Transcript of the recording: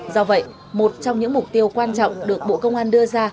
do vậy một trong những mục tiêu quan trọng được bộ công an đưa ra